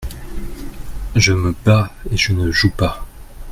Je me bats et je ne joue pas.